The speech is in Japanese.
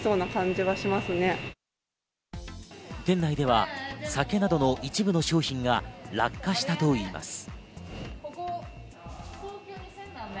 店内では酒などの一部の商品が落下したといいます。